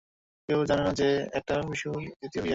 কেউ যেন না জানে এটা বিশুর দ্বিতীয় বিয়ে।